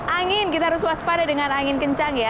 angin kita harus waspada dengan angin kencang ya